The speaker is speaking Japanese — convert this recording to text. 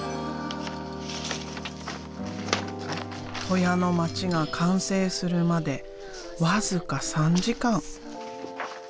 戸舎の街が完成するまで僅か３時間。